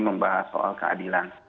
membahas soal keadilan